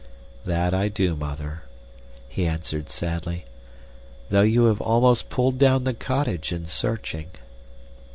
"That I do, Mother," he answered sadly, "though you have almost pulled down the cottage in searching."